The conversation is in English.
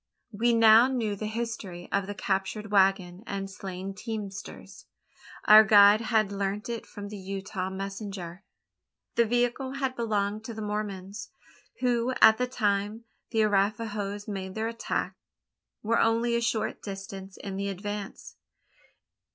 We now knew the history of the captured waggon and slain teamsters. Our guide had learnt it from the Utah messenger. The vehicle had belonged to the Mormons; who, at the time the Arapahoes made their attack, were only a short distance in the advance.